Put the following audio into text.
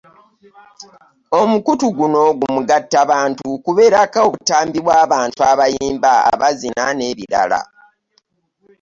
Omukutu guno gu mugatta bantu kubeerako obutambi bwabantu abyimba, abazina n'rbirala .